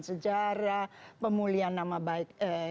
sejarah pemulihan nama baik